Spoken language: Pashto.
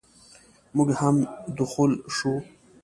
موږ هم دخول شوو.